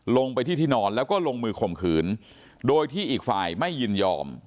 ลงไปที่ที่นอนแล้วก็ลงมือข่มขืนโดยที่อีกฝ่ายไม่ยินยอม